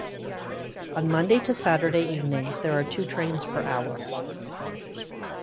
On Monday to Saturday evenings there are two trains per hour.